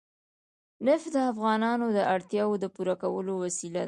نفت د افغانانو د اړتیاوو د پوره کولو وسیله ده.